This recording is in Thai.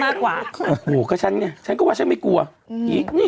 มากกว่าโอ้โหมักก็ฉันเนี่ยฉันก็ว่าฉันไม่กลัวอืม